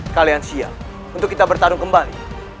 kalian siap untuk kita bertarung kembali